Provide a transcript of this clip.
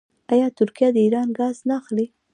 آیا ترکیه د ایران ګاز نه اخلي؟